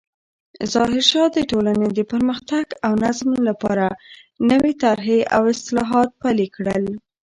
ظاهرشاه د ټولنې د پرمختګ او نظم لپاره نوې طرحې او اصلاحات پلې کړل.